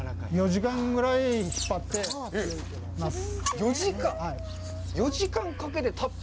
４時間ぐらい引っ張ってます。